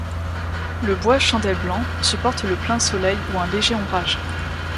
Le bois chandelle blanc supporte le plein soleil ou un léger ombrage.